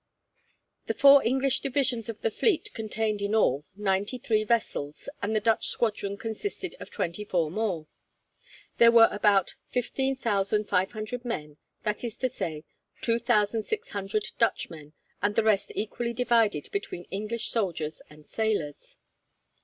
The four English divisions of the fleet contained in all ninety three vessels, and the Dutch squadron consisted of twenty four more. There were about 15,500 men, that is to say 2,600 Dutchmen, and the rest equally divided between English soldiers and sailors.